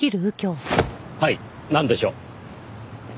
はいなんでしょう？